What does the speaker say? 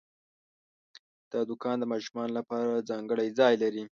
دا دوکان د ماشومانو لپاره ځانګړی ځای لري.